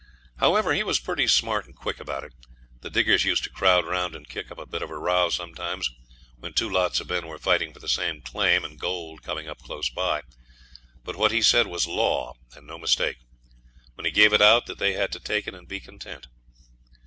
However, he was pretty smart and quick about it. The diggers used to crowd round and kick up a bit of a row sometimes when two lots of men were fighting for the same claim and gold coming up close by; but what he said was law, and no mistake. When he gave it out they had to take it and be content.